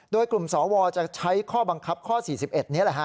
โดยกลุ่มสวจะใช้ข้อบังคับข้อ๔๑นี้แหละฮะ